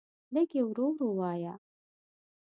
لږ یی ورو ورو وایه